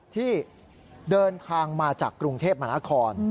ที่เดินทางมาจากกรุงเทพมหานคร